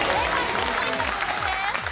１０ポイント獲得です。